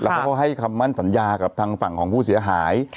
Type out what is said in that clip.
เขาก็ให้คำมั่นสัญญากับทางฝั่งของผู้เสียหาย